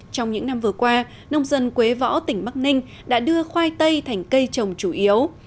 trong những năm vừa qua nông dân quế võ tỉnh bắc ninh đã đưa khoai tây thành cây trồng chủ yếu